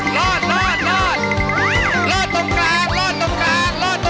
มาแล้วรอดรอดรอดรอด